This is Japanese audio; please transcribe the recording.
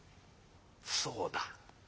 そうだ。